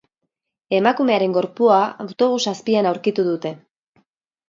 Emakumearen gorpua autobus azpian aurkitu dute.